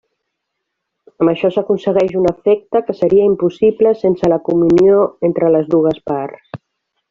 Amb això s'aconsegueix un efecte que seria impossible sense la comunió entre les dues parts.